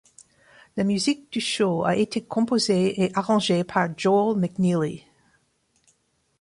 La musique du show a été composée et arrangée par Joel McNeely.